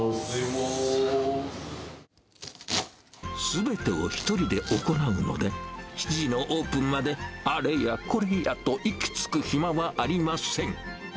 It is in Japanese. すべてを一人で行うので、７時のオープンまで、あれやこれやと息つく暇はありません。